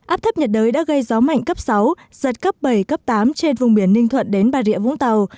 áp thấp nhiệt đới đã gây gió mạnh cấp sáu giật cấp bảy cấp tám trên vùng biển ninh thuận đến bà rịa vũng tàu